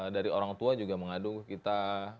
dari orang tua juga mengadu kita